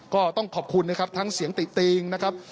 ก็ต้องขอบคุณนะครับทั้งเสียงติงนะครับ